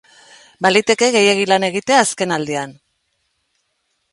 Baliteke gehiegi lan egitea azkenaldian.